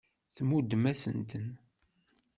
Tmuddem-asent-ten.